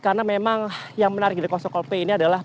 karena memang yang menarik di konser coldplay ini adalah